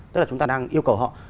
tức là chúng ta đang yêu cầu họ